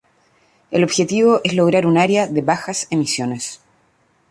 El objetivo es lograr una área de bajas emisiones.